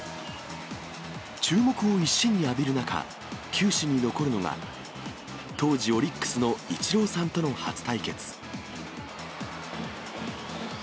注目を一身に浴びる中、球史に残るのが、当時オリックスのイチローさんとの初対決。